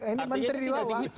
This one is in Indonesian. ini menteri di bawah